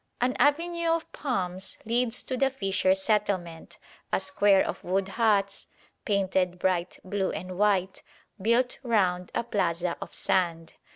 An avenue of palms leads to the fisher settlement, a square of wood huts, painted bright blue and white, built round a plaza of sand.